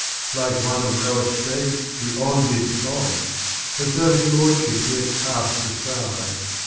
Like one of low estate he on did plod, * As though his lordship he had cast aside.